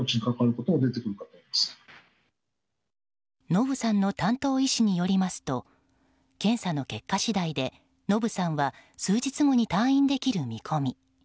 ノブさんの担当医師によりますと検査の結果次第でノブさんは数日後に退院できる見込み。